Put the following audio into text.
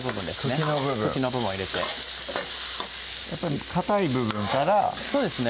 茎の部分茎の部分を入れてやっぱりかたい部分からそうですね